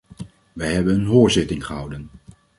Wij hebben een hoorzitting gehouden.